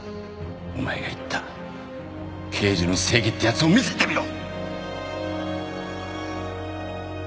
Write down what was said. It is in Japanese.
お前が言った刑事の正義ってやつを見せてみろ